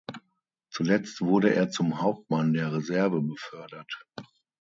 Zuletzt wurde er zum Hauptmann der Reserve befördert.